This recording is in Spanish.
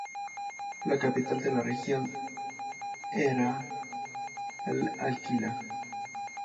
La capital de la región era L'Aquila.